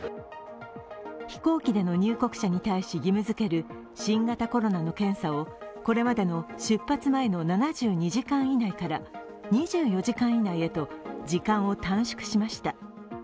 飛行機での入国者に対し、義務付ける新型コロナの検査をこれまでの出発前の７２時間以内から２４時間以内へと時間を短縮しました。